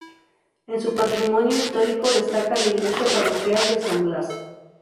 En su patrimonio histórico destaca la iglesia parroquial de San Blas.